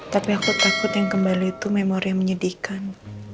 tapi aku takut yang kembali itu memori yang menyedihkan